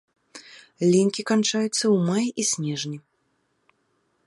Лінькі канчаюцца ў маі і снежні.